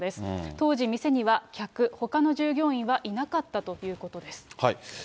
当時、店には客、ほかの従業員はいなかったということです。